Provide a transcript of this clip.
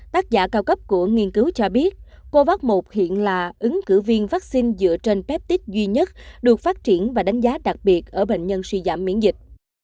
tác giả cao cấp của nghiên cứu cho biết covax một hiện là ứng cử viên vaccine dựa trên pet duy nhất được phát triển và đánh giá đặc biệt ở bệnh nhân suy giảm miễn dịch